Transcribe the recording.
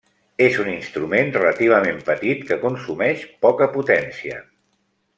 És un instrument relativament petit que consumeix poca potència.